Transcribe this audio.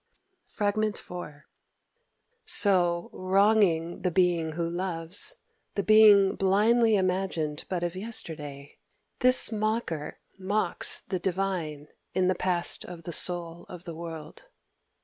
Fr. IV ... "So wronging the being who loves, the being blindly imagined but of yesterday, this mocker mocks the divine in the past of the Soul of the World.